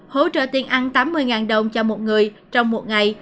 hỗ trợ tiền ăn tám mươi đồng cho một người trong một ngày